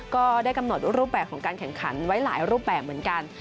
ก็ได้กำหนดรูปแบบของการแข่งขันไว้หลายรูปแบบเหมือนกัน